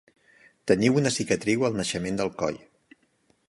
Tenia una cicatriu al naixement del coll.